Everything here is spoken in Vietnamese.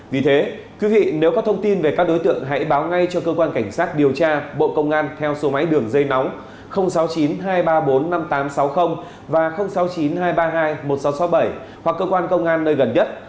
vì thế quý vị nếu có thông tin về các đối tượng hãy báo ngay cho cơ quan cảnh sát điều tra bộ công an theo số máy đường dây nóng sáu mươi chín hai trăm ba mươi bốn năm nghìn tám trăm sáu mươi và sáu mươi chín hai trăm ba mươi hai một nghìn sáu trăm sáu mươi bảy hoặc cơ quan công an nơi gần nhất